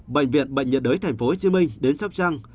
bệnh viện bệnh nhiệt đới tp hcm đến sắp trăng